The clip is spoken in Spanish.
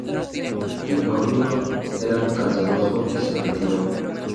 El nódulo era canceroso y se retiró.